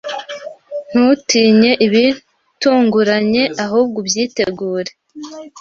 Ntutinye ibitunguranye, ahubwo ubyitegure.